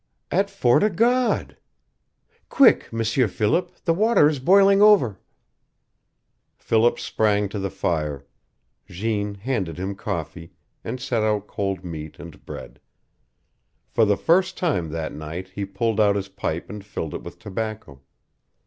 "At Fort o' God. Quick, M'sieur Philip, the water is boiling over!" Philip sprang to the fire. Jeanne handed him coffee, and set out cold meat and bread. For the first time that night he pulled out his pipe and filled it with tobacco.